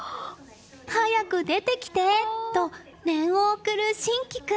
早く出てきて！と念を送る心絆君。